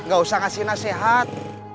gak usah ngasih nasihat